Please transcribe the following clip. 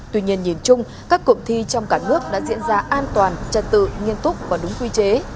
tuy nhiên nhìn chung các cuộc thi trong cả nước đã diễn ra an toàn trật tự nghiêm túc và đúng quy chế